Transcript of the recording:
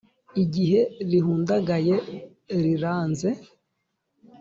Igihe rihundagaye riranze